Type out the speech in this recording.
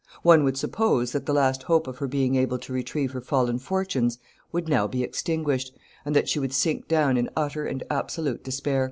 One would suppose that the last hope of her being able to retrieve her fallen fortunes would now be extinguished, and that she would sink down in utter and absolute despair.